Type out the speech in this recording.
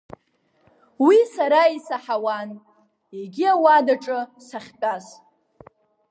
Уи сара исаҳауан, егьи ауадаҿы сахьтәаз.